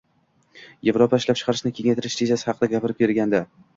Yevropada ishlab chiqarishni kengaytirish rejasi haqida gapirib bergandi.